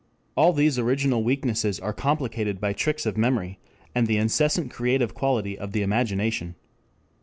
All these original weaknesses are complicated by tricks of memory, and the incessant creative quality of the imagination.